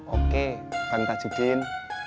oke kantas juga in